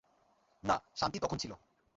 না, শান্তি তখন ছিল!